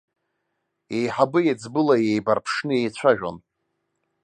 Еиҳабы-еиҵбыла еибарԥшны еицәажәон.